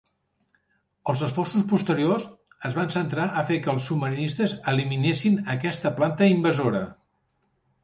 Els esforços posteriors es van centrar a fer que els submarinistes eliminessin aquesta planta invasora.